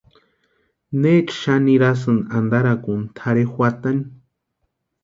¿Necha xani nirhasïni antarakuni tʼarhe juatani?